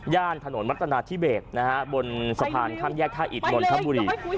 ย่านถนนมัธนาธิเบศบนสะพานข้ามแยกท่าอิดบนข้ามบุหรี่